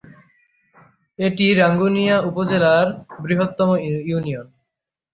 এটি রাঙ্গুনিয়া উপজেলার বৃহত্তম ইউনিয়ন।